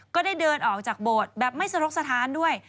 ก็ได้เดินออกจากโบสถ์แบบไม่สรกสถานด้วย